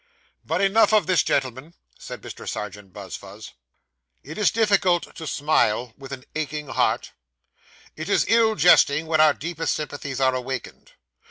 'But enough of this, gentlemen,' said Mr. Serjeant Buzfuz, 'it is difficult to smile with an aching heart; it is ill jesting when our deepest sympathies are awakened.